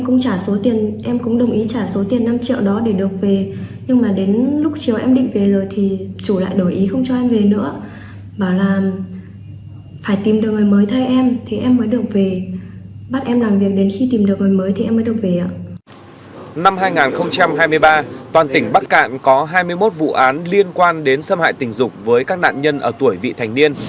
năm hai nghìn hai mươi ba toàn tỉnh bắc cạn có hai mươi một vụ án liên quan đến xâm hại tình dục với các nạn nhân ở tuổi vị thành niên